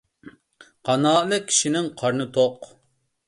قانائەتلىك كىشىنىڭ قارنى توق.